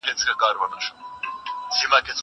هغه څوک چي ليکلي پاڼي ترتيبوي منظم وي!!